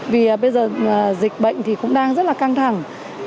vì bây giờ dịch bệnh thì cũng đang rất là căng thẳng